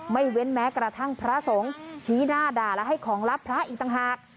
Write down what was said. เว้นแม้กระทั่งพระสงฆ์ชี้หน้าด่าและให้ของลับพระอีกต่างหาก